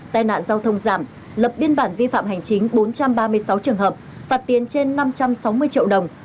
tai nạn giao thông giảm lập biên bản vi phạm hành chính bốn trăm ba mươi sáu trường hợp phạt tiền trên năm trăm sáu mươi triệu đồng